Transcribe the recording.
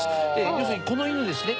要するにこの犬ですね